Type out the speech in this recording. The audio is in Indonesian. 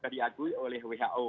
diatui oleh who